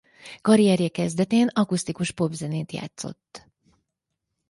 Karrierje kezdetén akusztikus popzenét játszott.